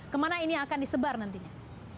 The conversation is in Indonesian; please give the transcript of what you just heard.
kemana ini akan disebar nantinya